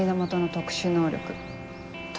特殊能力？